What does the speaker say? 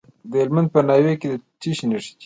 د هلمند په ناوې کې د څه شي نښې دي؟